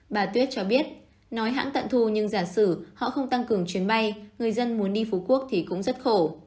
bà tuyết cho biết nói hãng tận thu nhưng giả sử họ không tăng cường chuyến bay người dân muốn đi phú quốc thì cũng rất khổ